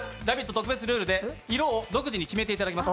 特別ルールで色を独自に決めていただきます。